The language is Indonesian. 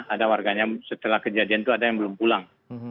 ada warganya setelah kejadian itu ada yang belum pulang